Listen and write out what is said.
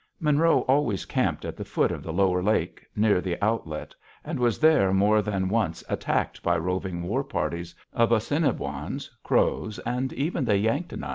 Monroe always camped at the foot of the lower lake, near the outlet, and was there more than once attacked by roving war parties of Assiniboines, Crows, and even the Yanktonais.